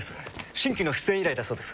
新規の出演依頼だそうです。